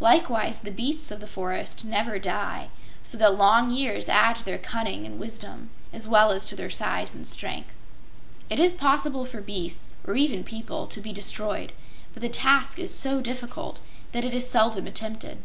Likewise the beasts of the forests never die, so that long years add to their cunning and wisdom, as well as to their size and strength. It is possible for beasts or even people to be destroyed, but the task is so difficult that it is seldom attempted.